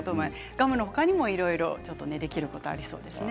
ガムの他にもいろいろできることありそうですね。